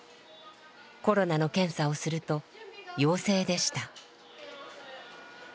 コロナの検査をすると陽性でした。